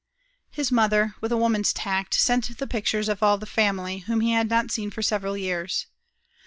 His mother, with a woman's tact, sent the pictures of all the family, whom he had not seen for several years.